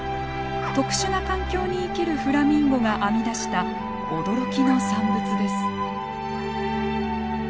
特殊な環境に生きるフラミンゴが編み出した驚きの産物です。